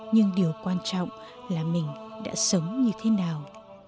nhưng điều quan trọng là mình đã sống như thế nào